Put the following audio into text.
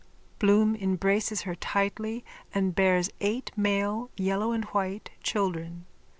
_(Bloom embraces her tightly and bears eight male yellow and white children.